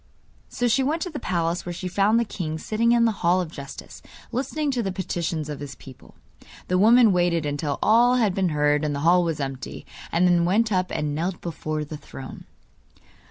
So she went to the palace, where she found the king sitting in the Hall of Justice listening to the petitions of his people. The woman waited until all had been heard and the hall was empty, and then went up and knelt before the throne.